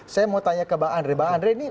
saya mau tanya ke mbak andre mbak andre ini